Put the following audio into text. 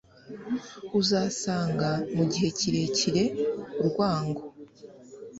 uzasanga mu gihe kirekire urwango